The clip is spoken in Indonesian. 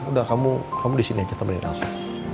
udah kamu disini aja temenin elsa